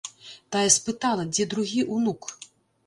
Тая спытала, дзе другі ўнук?